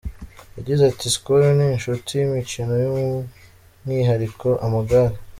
Yagize ati “Skol ni inshuti y’imikino by’umwihariko amagare.